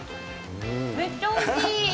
めっちゃおいしい！